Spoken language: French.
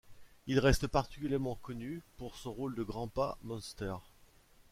Il reste particulièrement connu pour son rôle de Granpa Munster.